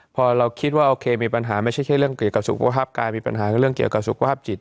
พอเราคิดว่าโอเคมีปัญหาไม่ใช่เรื่องเกี่ยวกับสุขภาพกายมีปัญหากับเรื่องเกี่ยวกับสุขภาพจิต